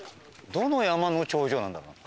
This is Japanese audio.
どの山の頂上なんだろう？